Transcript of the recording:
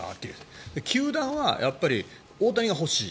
球団は大谷が欲しい。